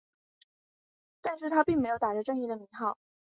但是他并没有打着正义的名号。